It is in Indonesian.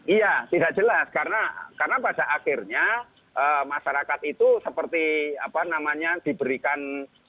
iya tidak jelas karena pada akhirnya masyarakat itu seperti apa namanya diberikan